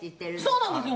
そうなんですよ